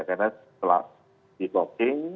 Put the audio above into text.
karena setelah di fogging